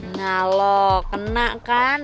nah loh kena kan